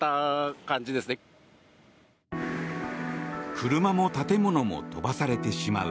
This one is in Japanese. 車も建物も飛ばされてしまう。